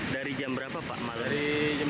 dari jam berapa pak materi